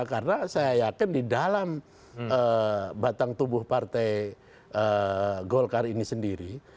karena saya yakin di dalam batang tubuh partai golkar ini sendiri